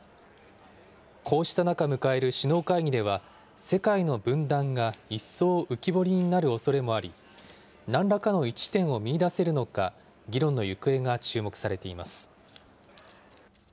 こうした中迎える首脳会議では、世界の分断が一層浮き彫りになるおそれもあり、なんらかの一致点を見いだせるのか、議論の行方が注目されています。